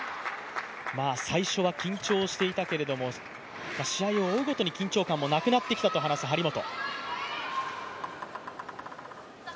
最初は緊張していたけれども、試合を追うごとに緊張感もなくなってきたと話す張本。